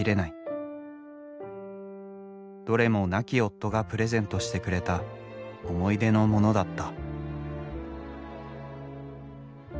どれも亡き夫がプレゼントしてくれた思い出のモノだった。